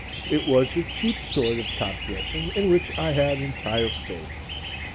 It was a cheap sort of top dressing in which I had entire faith.